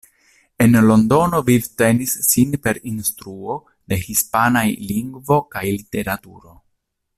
En Londono vivtenis sin per instruo de hispanaj lingvo kaj literaturo.